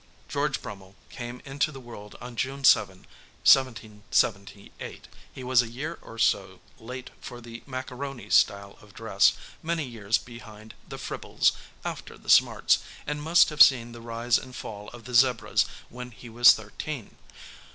George Brummell came into the world on June 7, 1778. He was a year or so late for the Macaroni style of dress, many years behind the Fribbles, after the Smarts, and must have seen the rise and fall of the Zebras when he was thirteen.